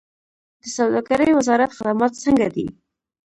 د سوداګرۍ وزارت خدمات څنګه دي؟